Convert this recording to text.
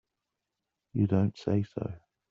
You don't say so!